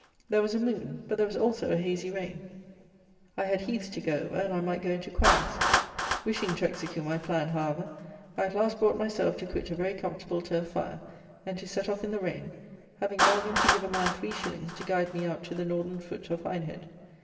There was a moon; but there was also a hazy rain. I had heaths to go over, and I might go into quags. Wishing to execute my plan, however, I at last brought myself to quit a very comfortable turf fire, and to set off in the rain, having bargained to give a man three shillings to guide me out to the Northern foot of Hindhead.